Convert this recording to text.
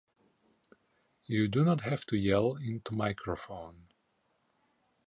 You do not have to yell into microphone.